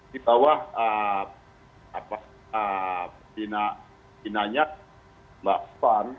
di bawah pinanya mbak spahn